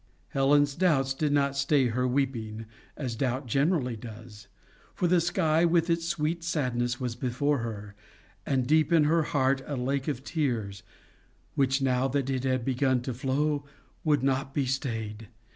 Helen's doubts did not stay her weeping, as doubt generally does; for the sky with its sweet sadness was before her, and deep in her heart a lake of tears, which, now that it had begun to flow, would not be stayed.